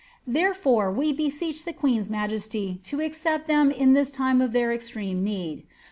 Therefore we beseech the queen's miyesty 0 to accept them in this time of their extreme need.